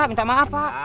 minta maaf pak